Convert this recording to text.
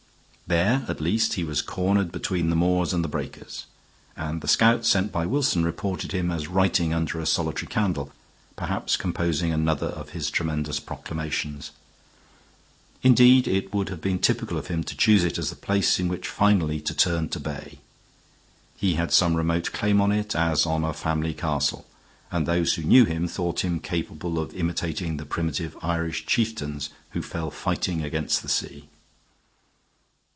There at least he was cornered between the moors and the breakers; and the scout sent by Wilson reported him as writing under a solitary candle, perhaps composing another of his tremendous proclamations. Indeed, it would have been typical of him to choose it as the place in which finally to turn to bay. He had some remote claim on it, as on a family castle; and those who knew him thought him capable of imitating the primitive Irish chieftains who fell fighting against the sea.